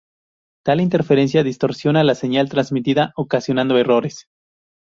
Tal interferencia distorsiona la señal transmitida, ocasionando errores.